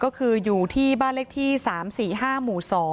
ก็คืออยู่ที่บ้านเลขที่๓๔๕หมู่๒